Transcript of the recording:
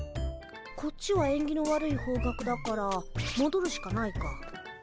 こっちはえんぎの悪い方角だからもどるしかないか。